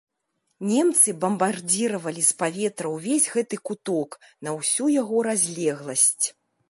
Немцы бамбардзіравалі з паветра ўвесь гэты куток на ўсю яго разлегласць.